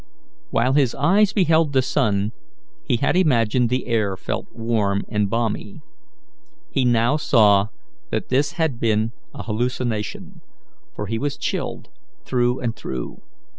While his eyes beheld the sun, he had imagined the air felt warm and balmy. He now saw that this had been a hallucination, for he was chilled through and through.